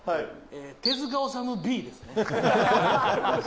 手塚治虫Ｂですね。